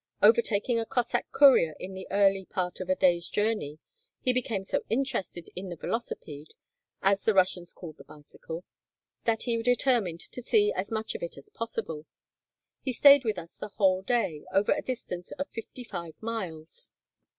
Overtaking a Cossack courier in the early part of a day's journey, he became so interested in the velocipede, as the Russians call the bicycle, that he determined to see as much of it as possible. He stayed with us the whole day, over a distance of fifty five miles.